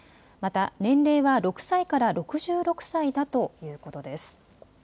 また年齢は６歳から６６歳だということです。